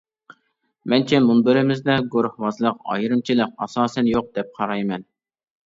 مەنچە مۇنبىرىمىزدە گۇرۇھۋازلىق، ئايرىمىچىلىق ئاساسەن يوق دەپ قارايمەن.